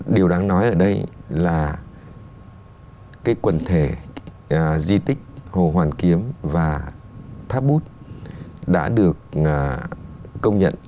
điều đáng nói ở đây là cái quần thể di tích hồ hoàn kiếm và tháp bút đã được công nhận